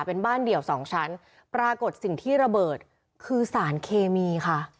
เป็นบ้านเดี่ยวสองชั้นปรากฏสิ่งที่ระเบิดคือสารเคมีค่ะ